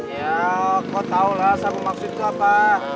ya kau tahu lah sama maksud itu apa